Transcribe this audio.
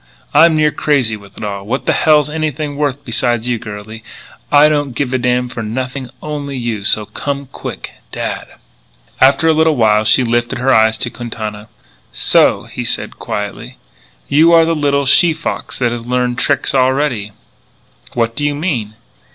I'm near crazy with it all. What the hell's anything worth beside you girlie. I don't give a damn for nothing only you, so come on quick. Dad." After a little while she lifted her eyes to Quintana. "So," he said quietly, "you are the little she fox that has learned tricks already." "What do you mean?"